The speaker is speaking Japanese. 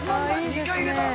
２回入れた！